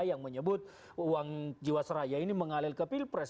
yang menyebut uang jiwa seraya ini mengalir ke pilpres